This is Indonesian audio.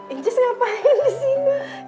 inyes ngapain di sini